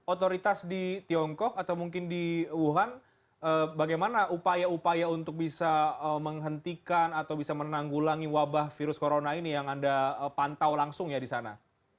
otoritas di tiongkok atau mungkin di wuhan bagaimana upaya upaya untuk bisa menghentikan atau bisa menanggulangi wabah virus corona ini yang anda pantau langsung ya di sana